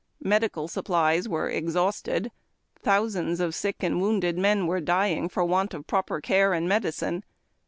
Medical supplies were exhausted. Thousands of sick and wounded men were dying for want of proper care and medicine.